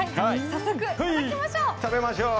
早速頂きましょう。